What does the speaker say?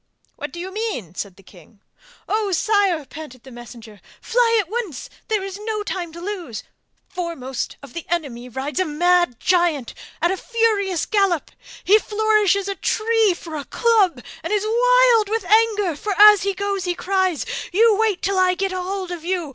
'What do you mean?' said the king. 'Oh, sire!' panted the messenger, 'fly at once, there is no time to lose. Foremost of the enemy rides a mad giant at a furious gallop. He flourishes a tree for a club and is wild with anger, for as he goes he cries, "You wait till I get hold of you!